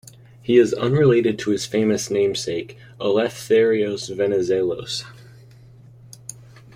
He is unrelated to his famous namesake, Eleftherios Venizelos.